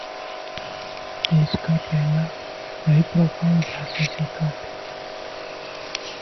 देश का पहला हाईप्रोफाइल जासूसी कांड